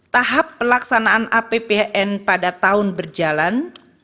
tahap pelaksanaan apbn pada tahun berjalan